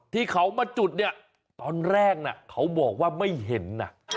ที่เขามาจุดเนี่ยตอนแรกน่ะเขาบอกว่าไม่เห็นนะ